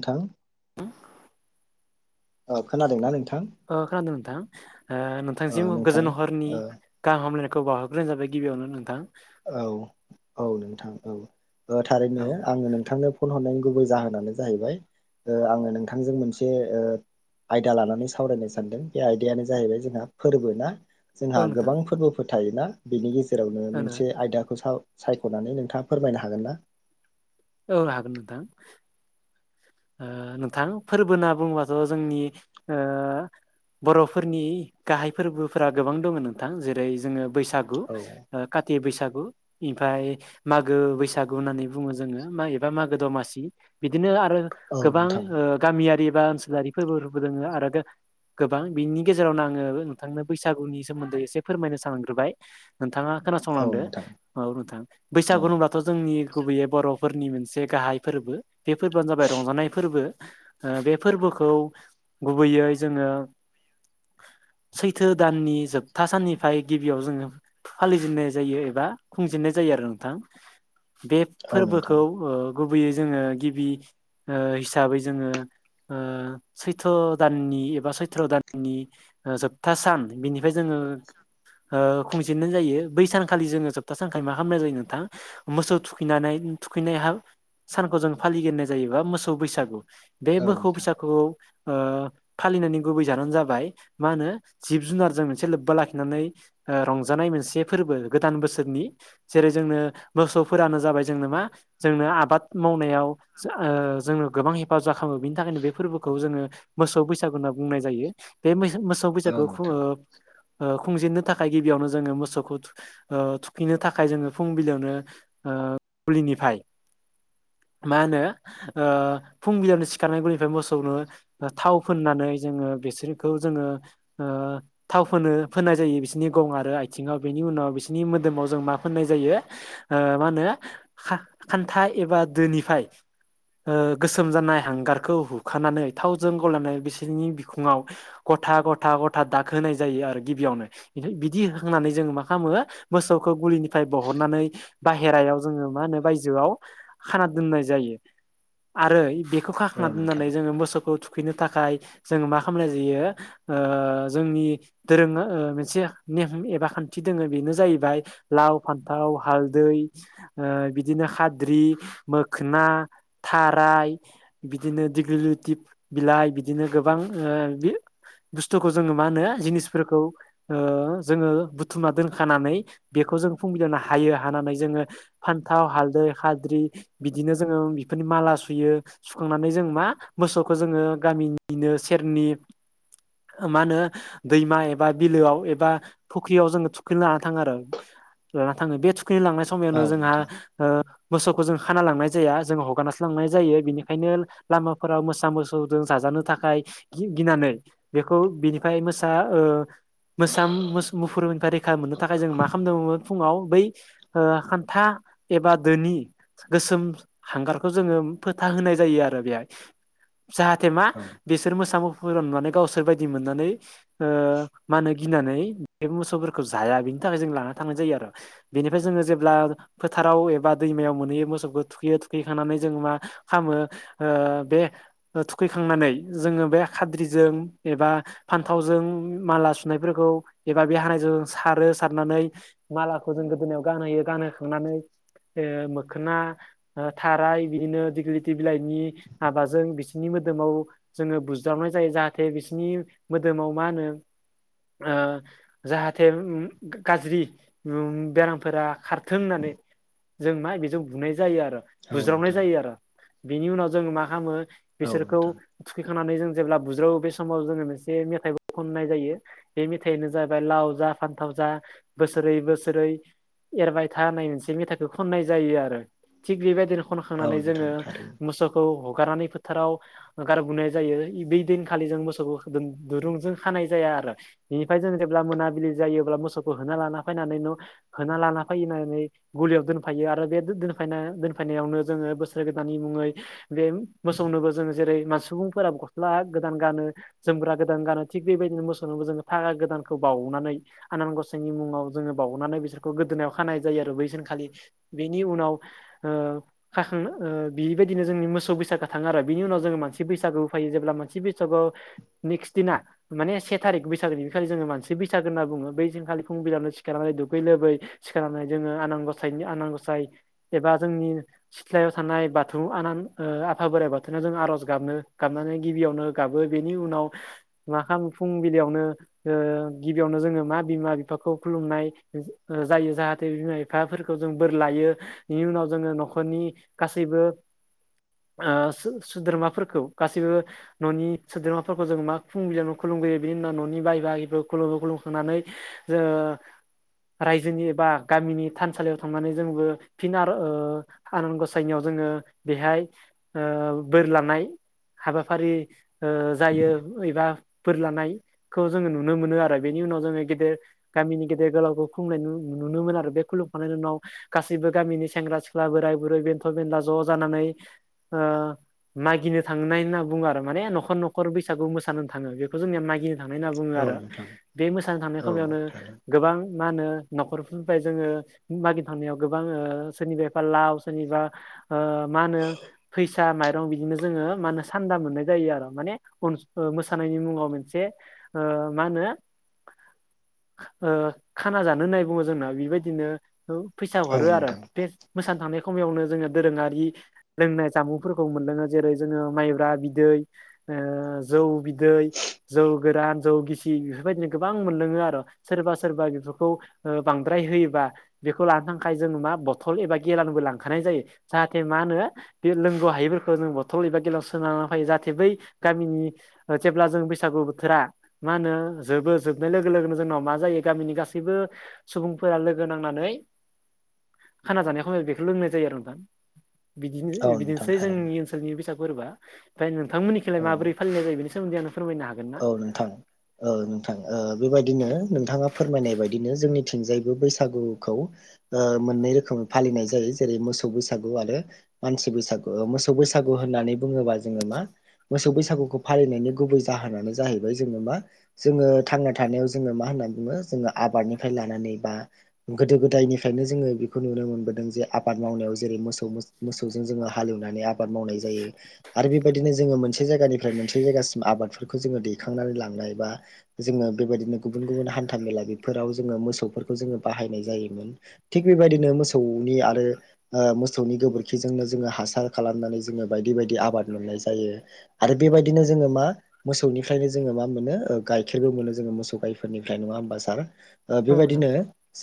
नोथां [inaudible] अ खोनादोंना नोंथां? ओ खोनादों नोंथां ओ नोंथांसिम नोंथां गोजोन हरनि ओ गाहाम हामलायनाय खौ बाउहोग्रोना जाबाय गिबियावनो नोंथां। औ औ नोंथां औ थारैनो आङो नोंथांनो फन हरनायनि गुबै जाहोनानो जाहैबाय आङो नोंथांजों मोनसे ओ आयदा लानानै सावरायनो सानदों बे आयदायानो जाहैबाय जोंहा फोरबो ना। जोंहा औ नोंथां गोबां फोरबोफोर थायोना बेनि गेजेरावनो औ मोन नोंथां से आयदाखौ सा-सायख'नानै नोंथाङा फोरमायनो हागोन ना? औ हागोन नोंथां। ओ नोंथां फोरबो होनना बुंङोबाथ' जोंनि ओ बर'फोरनि गाहाय फोरबोफोरा गोबां दङ नोंथां जेरै जोङो बैसागु औ ओ का थि बैसागु इमफाय मागो बैसागु होननानै बुङो जोङो मा एबा मागो दमासि बिदिनो आरो औ गोबां नोंथां ओ गामियारि बा ओनसोलारि फोरबोबो दोङो आरो गोबां बिनि गेजेरावनो आङो नोंथांनो बैसागुनि सोमोन्दै एसे फोरमायनो सानग्रोबाय नोंथाङा औ खोनासंलांदो नोंथां औ नोंथां बैसागु औ होनब्लाथ' जोंनि गुबैयै बर' फोरनि मोनसे गाहाय फोरबो बे फोर बोआनो जाबाय रंजानाय फोरबो बे फोरबोखौ गुबैयै जोङो [inaudible] सैथो दाननि जोबथा साननिफ्राय गिबियाव जोङो फालिजेननाय जायो एबा खुंजेननाय जायो। आरो नोंथां बे औ नोंथां फोरबोखौ गुबैयै जोङो गिबि ओ हिसाबै जोङो ओ सैथ्र' दाननि एबा सैथ्र' दाननि ओ जोबथा सान। बिनि ओमफाय जोङो ओ खुंजेननाय जायो। बै सानखालि जोङो जोबथा सानखाय मा खामनाय जायो नोंथां मोसौ थुखैनानै थुखैनायहा सानखौ जों फालिगोरनाय जायोबा मोसौ बैसागु। बे औ मोखौ नोंथां बैसागुआव ओ फालिनायनि गुबै जाहोन जाबाय मा होनो जिब जुनारजों मोनसे लोब्बा लाखिनानै ओ रंजानाय मोनसे फोरबो गोदान बोसोरनि जेरै जोंनो मोसौफोरानो जाबाय जोंनो मा जोंनो आ बाद मावनायाव जो ओ जोङो गोबां हेफाजाब खामो। बेनिथाखायनो बे फोरबोखौ जोङो मोसौ बैसागु होनना बुंनाय जायो। बे मै [unintelligible] मोसौ औ बैसागो [unintelligible] नोंथां ओ खुंजेननो थाखाय गिबियावनो जोङो मोसौखौ थुख ओ थुखैनो थाखाय जोङो फुंबिलियावनो ओ गुलिनिफाय [inaudible] मा होनो ओ फुंबिलियावनो सिखारना गुलिनिफ्राय मोसौनो थाव फोननानै जोङो बिसोरखौ जोङो ओ थाव फोनो फोननाय जायो बिसोरनि गं आरो आइथिङाव। बेनि उनाव बि सिनि मोदोमाव जों मा फोननाय ओ मा होनो खात खानथा एबा दोनि फाय ओ गोसोम जानाय हांगारखौ हुखानानै थावजों गलायनाय बिसोरनि बिखुङाव ग था गथा गथा दाग होनाय जायो आरो गिबियावनो। ओमफाय बिदि होखांनानै जोङो मा खामो मोसौखौ गलिनिफाय बहननानै बाहेरायाव जोङो मा होनो बायजोआव खाना दोननाय जायो आरो बेखौ औ खाखांना नोंथां दोननानै जोङो मोसौखौ थु खैनो थाखाय जोङो मा खामनाय जायो ओ जोंनि दोरोङो ओ मोनसे नेंख एबा खान्थि दोङो बेनो जाहैबाय लाव, फान्थाव, हालदै ओ बिदिनो खाद्रि, मोखना थाराय बिदिनो दिग्लि लुथि बिलाइ बिदिनो गोबां ओ बि बुस्थुखौ जोङो मा होनो जिनिसफोरखौ ओ जोङो बुथुमना दोनखानानै बे खौ जों फुंबिलियावनो हायो हानानै जोङो फान्थाव, हालदै, खाद्रि बिदिनो जोङो बेफोरनि माला सुयो सुखांनानै जों मा मोसौखौ जोङो गामिनिनो सेरनि मा होनो दैमा एबा बिलोआव एबा फुख्रियाव जोङो थुखैनो लाना थाङो आरो लाना थाङो। बे थुखैनो लांनाय औ समायावनो जोंहा नोंथां ओ मोसौ खाना लांनाय जाया जों हगारसो लांनाय जायो बिनिखायनो लामाफोराव मोसा मोसौजों जाजानो थाखाय गि-गिनानै बेखौ बिनिफाय मोसा ओ मोसा, मोसौ, मुफुरनिफ्राय रैखा मोननो थाखाय जों मा खामनांगौ फुङाव बै ओ खान्था एबा दोनि गोसोम हांगारखौ जोङो फोथा होनाय जायो आरो बेहाय। जाहाथे मा औ बिसोर मोसा मु फुर नुनानै गावसोर बायदि मोननानै ओ मा होनो गिनानै बे मोसौफोरखौ जाया। बेनि थाखाय जों लाना थांनाय जायो आरो बेनिफ्राय जोङो जेब्ला फोथाराव एबा दैमायाव मोनहैयो मोसौखौ थुखैयो थुखैखांनानै जों मा खामो ओ बे ओ थुखैखांनानै जोङो बे खाद्रिजों एबा फान्थावजों माला सुनायफोरखौ एबा बे हानायजों सारो सारनानै मालाखौ जों गोदोनायाव गानहोयो गानहोखांनानै ओ मो खोना ओ थाराय बिदिनो दिग्लिलिथि बिलाइनि हाबाजों बिसोरनि मोदोमाव जोङो बुज्रावनाय जायो जाहाथे बिसोरनि मोदोमाव मा होनो ओ जाहाथे उम गाज्रि उम बेरामफोरा खारथों होननानै जों मा बेजों बुनाय जायो आरो बुज्रावनाय नोंथां जायो आरो बेनि उनाव जोङो मा खामो औ बिसोरखौ नोंथां थुखै खांनानै जों जेब्ला बुज्रावो बे समाव जोङो मोनसे मेथाइबो खननाय जायो बे मेथाइनो जाबाय लाव जा फानथाव जा बोसोरै बोसोरै एरबाय था होननाय मोनसे मेथाइखौ खननाय जायो आरो थिग बेबायदिनो औ खनखांनानै नोंथां जोङो थारैनो मोसौखौ ह गारनानै फोथाराव गारबोनाय जायो इबि दिनखालि जों मोसौखौ दोन दुरुंजों खानाय जाया। आरो बेनिफ्राय जों जेब्ला मोनाबिलि जायो अब्ला मोसौखौ होना लाना फैनानै न होना लाना फै गलियाव दोनफायो आरो बे दोनाय दोनफायनावनो जोङो बोसोर गोदाननि मुङै बे मोसौनोबो जों जेरै मा सुबुंफोर गस्ला गोदान गानो जोमग्रा गोदान गानो थिग बेबायदिनो मोसौनोबो जोङो थाखा गोदानखौ बावनानै आनान गसाइनि मुङाव जोङो बावनानै बिसोरखौ गोदोनायाव खानाय जायो आरो बैसिनखालि बेनि उनाव ओ खाखां बेबायदिनो जोंनि मोसौ बैसागो थाङो आरो बिनि उनाव जोङो मानसि बैसागोबो फै यो जेब्ला मोन बैसागआव नेक्स दिना माने से थारिख बैसागोनि बेखालि जोङो मानसि बैसागो होनना बुङो बै सिनखालि फुं बिलानो सिखारनानै दुगै लोबै सिखारनानै जोङो आन गसायनि आनां गसाय एबा जोंनि सिथ्लायाव थानाय बाथौ आनान आफा बोराइ बाथौनि जों आर'ज गाबनो गाब गाबनानै गिबियावनो गाबो बेनि उनाव मा खामो फुंबिलियावनो गिबियावनो जों जोङो मा बिमा बिफाखौ खुलुमनाय जायो जाहाथे बिमा बिफाफोरखौ जों बोर लायो बिनि उनाव जोङो न'खरनि गासैबो ओ सो सो सोद्रोमाफोरखौ गासैबो न'नि सोद्रोमाफोरखौ जों मा फुंबिलियावनो खुलुमो खुुं बिनि उनाव न'नि बाय बागि खुलुमो खुलुमखांनानै जोङो रायजोनि एबा गामिनि थानसालियाव थांनानै जोंबो फिन आरो ओ आनान गसाइनियाव जोङो बेहाय ओ बोर लानाय हाबाफारि ओ जायो एबा बोर लानायखौ जोङो नुनो मोनो आरो बेनि नाव जोङो गेदेर गामिनि गेदेर गोलावखौ खुलनाय नुनो मोन आरो बे खुलुमखांनायनि उनाव गासै सैबो गामिनि सेंग्रा सिख्ला बोराय बुरै बेन्थ' बेनला ज' जानानै ओ मागिनो थांनाय होनना बुङो आरो माने न'खर न'खर बैसागु मोसानो थाङो बेखौ जोंनिया मागिनो थांनाय होनना बुङो औ आरो नोंथां बे मोसानो थांनाय औ खमयावनो थारैनो गोबां मा होनो न'खरफोरनिफ्राय जोङो मागि थांनायाव गोबां ओ सोरनिफायबा लाव ओ सोरनिबा ओ मा होनो फैसा माइरं बिदिनो जोङो हो मा होनो सान्दा मोननाय जायो आरो माने मोसानायनि मुङाव मोनसे ओ मा होनो खो खाना जानो होननाय बुङो जोंना बेबायदिनो ओ फैसा औ हरो आरो नोंथां बे मोसानो थां खमयावनो जोङो दोरोङारि लोंनाय जामुंफोरखौ मोनदोङो जेरै जोङो माइब्रा बिदै ओ जौ बिदै जौ गोरान जौ गिसि बेफोरबायदिनो गोबां मोनलोङो आरो सोरबा सोरबा सोरबा बेफोरखौ ओ बांद्राय होयोबा बे लानो थाखाय जों मा बथल एबा गेेलानबो लांखानाय जायो जाहाथे मा होनो बे लोंगौ हायैफोरखौ जों बथल एबा गेलाव सोननानै फायो जाहाथे बै गामिनि जेब्ला जों बैसागु बोथोरा मा हो नो जोबो जोबनाय लोगो लोगोनो जोंनाव मा जायो गामिनि गासैबो सुबुंफोरा लोगो नांनानै खाना जानाय खम बेखौल' लोंनाय जायो आरो नोंथां। बिदिनो औ नोंथां बिदिनोसै जोंनि थारैनो ओनसोलनि बैसाग फोरबोआ ओमफाय नोंथांमोननिखैलाय औ माबोरै फालिनाय जायो बेनि सो औ नोंथां ओ नोंथां ओ बेबायदि नो नोंथाङा फोरमायनाय बायदिनो जोंनिथिंजायबो बैसागुखौ ओ मोनै रोखोमै फालि फालिनाय जायो जेरै मोसौ बैसागु आरो मानसि बैसागु मोसौ बैसागु होननानै बुङोबा जोङो मा मोसौ बैसागुखौ फालिनायनि गुबै जा जाहोनानो जाहैबाय जोङो मा जोङो थांना थानायाव जोङो मा होननानै बुङो जोङो आबादनिफ्राय लानानै बा गोदायनिफ्रायनो जोङो बेखौ नुनो मोनदों जे आबाद मावनायाव जेरै मोसौ मोसौ जों जोङो हालेवनानै आबाद मावनाय जायो आरो बेबायदिनो जोङो मोनसे जायगानिफ्राइ मोनसे जायगासिम आबाद बेखौ जोङो दैखांनानै लांनाय बा जोङो बेबायदिनो गुबुन गुबुन हान्था मेला बेफोराव जोङो मोसौफोर खौ जोङो बाहायनाय जायोमोन थिग बेबायदिनो मोसौनि आरो मोसौनि गोबोरखिजों जोङो हासार खालामनानै जोङो बायदि बायदि आबाद मोननाय जायो आरो बेबायदिनो जोङो मा मोसौनिफ्रायनो जोङो मा मोनो गाइखेरबो मोनो जोङो मोसौ गाइफोरनिफ्राय नङा होमबा सार? औ नोंथां बेबायदिनो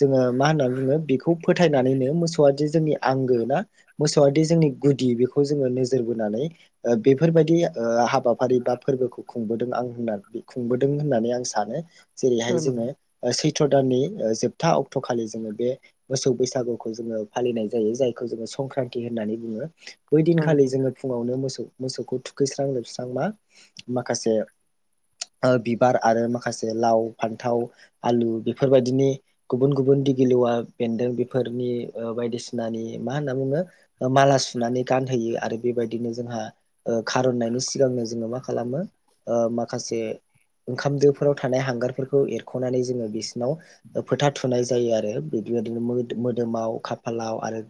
जोङो मा होननानै बुङो बेखौ फोथायनानैनो मोसौआदि जोंनि आंगो ना मोसौआदि जोंनि गुदि बेखौ जोङो नोजोर बोनानै बेफोरबायदि हाबाफारि बा फोरबोखौ खुंबोदों आं होनना खुंबोदों होननानै आं सानो जेरैहाय औ जोङो नोंथां सै थ्र' दाननि जोबथा अक्ट' खालि जोङो बे मोसौ बैसागुखौ जोङो फालिनाय जायो जायखौ जोङो संक्रान्ति होननानै बुङो। बै औ दिनखालि नोंथां जोङो फुङावनो मोसौ मोसौखौ थुखैस्रां लोबस्रां मा माखासे बिबार आरो माखासे लाव फान्थाव आलु बेफोरबायदिनि गुबुन गुबुन गुन्दि गिलौआ बेन्दों बेफोरनि बायदिसिनानि मा होनना बुङो। माला सुनानै गानहैयो आरो बेबायदिनो जोंहा खार'ननायनि सिगांनो जोङो मा खालामो माखासे ओंखाम दोफोराव थानाय हांगारफोरखौ एरख'नानै जोङो बिसिनाव फोथा थुनाय जायो आरो। बेबायदिनो मोदोमाव खाफालाव आरो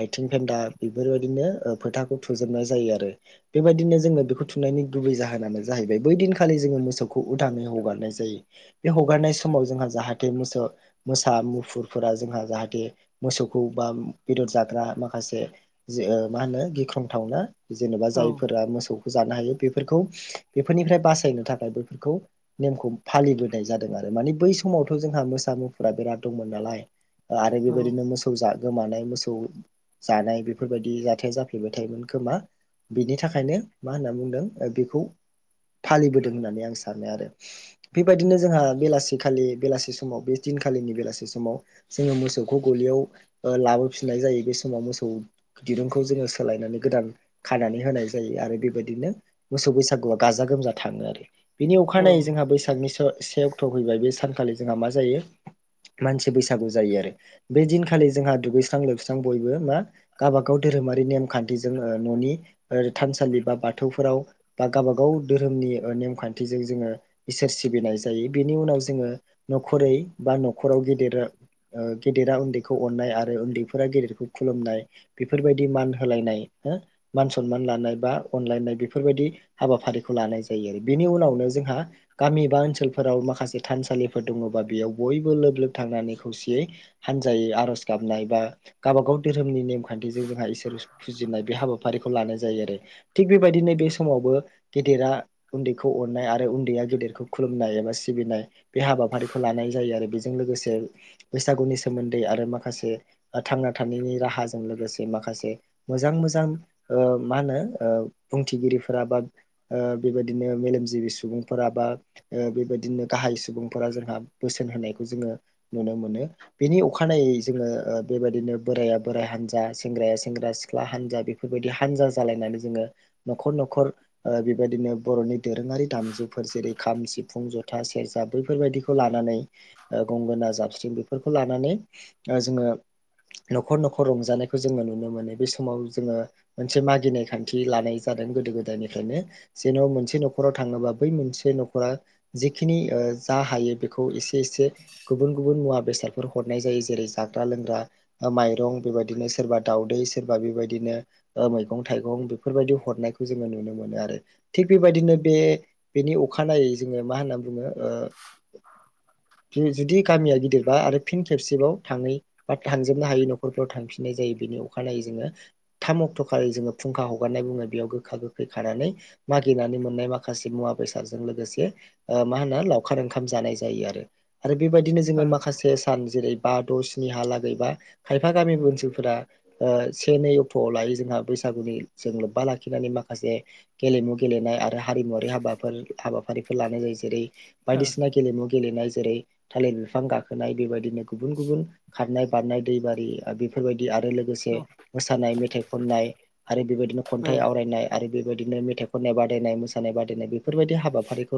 आथिं फेन्दा बेफोरबायदिनो फोथाखौ थुजोबनाय जायो आरो बेबायदिनो जोङो बेखौ थुनायनि गुबै जाहोनानो जाहैबाय बै दिनखालि जोङो मोसौखौ उदाङै हगारनाय जायो बे हगारनाय समाव जोंहा जाहाथे मोसौ मोसा मुफुरफोरा जोंहा जाहाथे मोसौखौ बा बेदर जाग्रा माखासे मा होनो गिख्रंथावना जेनेबा औ जायफोरा मोसौखौ जानो हायो बे फोरखौ बेफोरनिफ्राय बासायनो थाखाय बैफोरखौ नेमखौ फालिबोनाय जादों आरो माने बै समाव जोंहा मोसा मुफुरा बिराद दंमोन नालाय आरो औ बेबायदिनो मोसौ गोमानाय मोसौ जानाय बेफोरबायदि जाथाया जाफ्लेबाय थायोमोन खोमा। बेनि थाखायनो मा होनना बुंदों बेखौ फालिबोदों होननानै आं सानो आरो बेबायदिनो जोंहा बेलासिखालि बेलासि समाव बेदि नखालिनि बेलासे समाव जोङो मोसौखौ गलियाव लाबोफिननाय जायो बे समाव मोसौ दिरुंखौ जोङो सोलायनानै गोदान खानानै होनाय जायो आरो बेबायदिनो मोसौ बैसागुआ गाजा गोमजा थाङो आरो बेनि अखानायै औ जोंहा बैसागनि से अक्ट' फैबाय बे सान खालि जोंहा मा जायो? मानसि बैसागु जायो आरो बे दिनखालि जोंहा दुगैस्रां लोबस्रां बयबो मा गावबागाव धोरोमारि नेमखान्थिजों न'नि थानसालि बा बाथौफोराव बा गावबागाव धोरोमनि नेमखान्थिजों जोङो इसोर सिबिनाय जायो बेनि उनाव जोङो न'खरै बा न'खराव गेदेर गेदेरा उन्दैखौ अननाय आरो उन्दैफोरा गेदेरखौ खुलुमनाय बेफोरबायदि मान होलायनाय हो मान सनमान लानाय बा अनलायनाय बेफोरबायदि हाबाफारिखौ लानाय जायो आरो बेनि उनावनो जोंहा गामि बा ओनसोलफोराव माखासे थानसालिफोर दङ बा बेयाव बयबो लोब लोब थांनानै खौसेयै हानजायै आर'ज गाबनाय बा गावबा गाव धोरोमनि नेमखान्थिजों जोंहा इसोर फुजिनाय बे हाबाफारिखौ लानाय जायो आरो थिग बेबायदिनो बे समावबो गेदेरा उन्दैखौ अननाय आरो उन्दैया गेदेरखौ खुलुमनाय एबा सिबिनाय बे हा बाफारिखौ लानाय जायो आरो बेजों लोगोसे बैसागुनि सोमोन्दै आरो माखासे थांना थानाय नि राहाजों लोगोसे माखासे मोजां मोजां मा होनो बुंथिगिरि फोरा बा बेबायदिनो मेलेमजिबि सुबुंफोरा बा बेबायदिनो गाहाय सुबुंफोरा जोंहा बोसोन होनायखौ जोङो नुनो मोनो बेनि अखानायै जोङो बेबायदिनो बोरा या बोराय हानजा सेंग्राया सेंग्रा सिख्ला हानजा बेफोरबायदि हानजा जालायनानै जोङो न'खर न' खर बेबायदिनो बर'नि दोरोङारि दामजुफोर जेरै खाम, सिफुं, जथा, सेरजा बैफोरबा यदिखौ लानानै गंगोना जाबस्रिं बेफोरखौ लानानै जोङो न'खर न'खर रंजानायखौ जोङो नुनो मोनो बे समाव जोङो मोनसे मागिनाय खान्थि लानाय जा दों गोदो गो दायनिफ्रायनो जेन'बा मोनसे न'खराव थाङोबा बै मोनसे न'खरा जेखिनि जा हायो बे खौ एसे एसे गुबुन गुबुन मुवा बेसाद हासारफोर हरनाय जायो जेरै जाग्रा लोंग्रा माइरं बेबायदिनो सोरबा दाावदै सोरबा बेबायदिनो ओ मैगं थाइगं बेफोरबायदि हरनायखौ जोङो नुनो मोनो आरो थिग बेबायदिनो बे बेनि अखानायै जोङो मा होनना बुङो [inaudible] बियो जुदि गामिया गिदिरबा आरो फिन खेबसेबाव थाङै बा थांजोबनो हायै नखरफोराव थांफिननाय जायो बेनि अखानायै जोङो थाम अक्ट' खालि जोङो फुंखा हगारनाय बुङो बेयाव गोखा गोखै खानानै मागिनानै मोननाय माखासे मुवा बेसादजों लोगोसे ओ मा होनो लावखार ओंखाम जानाय जायो आरो आरो बेबायदिनो जोङो माखासे सान जेरै बा, द', स्नि हालागै बा खायफा गामि ओनसोलफोरा ओ से, नै अक्ट'आव लायो जोंहा बैसाग [unintelligible] बैसागुनिजों लोब्बा लाखिनानै माखासे गेलेमु गेलेनाय आरो हारिमुवारि हाबाफोर हाबाफारिफोर लानाय जायो जेरै- बायदिसिना गेलेमु गेलेनाय जेरै- थालिर बिफां गाखोनाय बेबायदिनो गुबुन गुबुन खारनाय, बारनाय, दै, बारि बेफोरबायदि आरो लोगोसे मोसानाय, मेथाइ खननाय आरो बेबायदिनो औ खन्थाइ औ आवरायनाय आरो बे बेबायदिनो मेथाइ खननाय बादायनाय, मोसानाय बादायनाय बेफोरबायदि हाबाफारिखौ